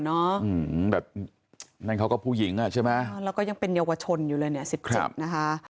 แบบนั่นเขาก็ผู้หญิงอ่ะใช่ไหมแล้วก็ยังเป็นเยาวชนอยู่เลยเนี่ยสิบเจ็ดนะคะ